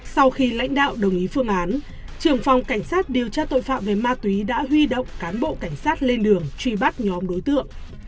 sau khi lãnh đạo đồng ý phương án trưởng phòng cảnh sát điều tra tội phạm về ma túy đã huy động cán bộ cảnh sát lên đường truy bắt nhóm đối tượng